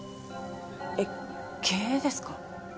えっ経営ですか？